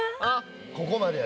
ここまでや。